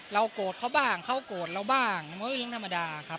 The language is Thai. เรากดเขาบ้างเขากดเราบ้างมันก็เรื่องธรรมดาครับ